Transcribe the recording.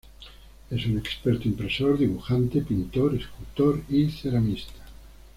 Es un experto impresor, dibujante, pintor, escultor y ceramista.